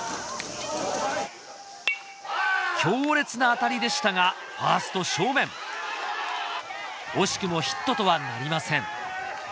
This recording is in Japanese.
強烈な当たりでしたがファースト正面惜しくもヒットとはなりません